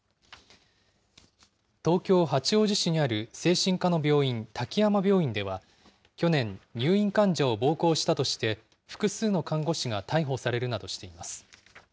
東京・八王子市にある精神科の病院、滝山病院では、去年、入院患者を暴行したとして複数の看護師が逮捕されるなどしています。